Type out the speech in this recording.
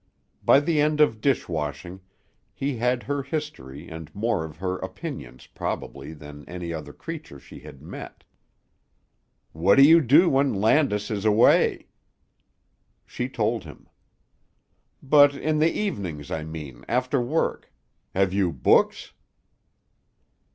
By the end of dish washing, he had her history and more of her opinions, probably, than any other creature she had met. "What do you do when Landis is away?" She told him. "But, in the evenings, I mean, after work. Have you books?"